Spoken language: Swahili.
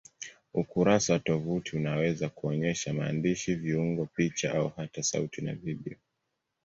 Ukurasa wa tovuti unaweza kuonyesha maandishi, viungo, picha au hata sauti na video.